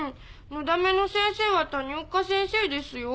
のだめの先生は谷岡先生ですよ」